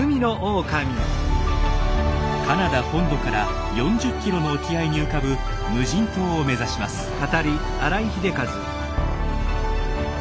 カナダ本土から４０キロの沖合に浮かぶ無人島を目指します。